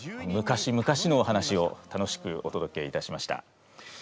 昔々のお話を楽しくおとどけいたしました。